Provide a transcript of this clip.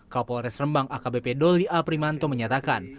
kapolres rembang akbp doli a primanto menyatakan